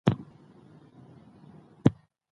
ازادي راډیو د چاپیریال ساتنه د پراختیا اړتیاوې تشریح کړي.